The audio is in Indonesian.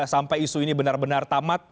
sampai isu ini benar benar tamat